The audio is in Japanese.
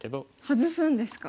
ハズすんですか。